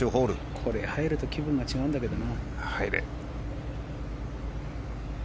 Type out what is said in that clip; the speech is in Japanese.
これが入ると気分が違うんだけどな。